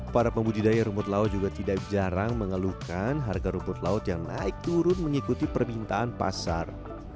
para pembudidaya rumput laut juga tidak jarang mengeluhkan harga rumput laut yang naik turun mengikuti permintaan pasar